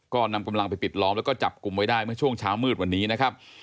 ก็นำกำลังไปปิดล้อมแล้วก็จับกลุ่มไว้ได้เมื่อช่วงเช้ามืดวันนี้นะครับ